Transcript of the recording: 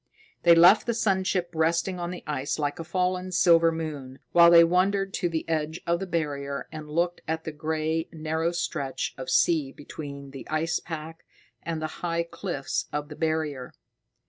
They left the sun ship resting on the ice like a fallen silver moon, while they wandered to the edge of the Barrier and looked at the gray, narrow stretch of sea between the ice pack and the high cliffs of the Barrier.